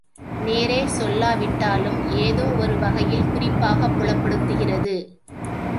நேரே சொல்லாவிட்டாலும், ஏதோ ஒரு வகையில் குறிப்பாகப் புலப்படுத்துகிறது.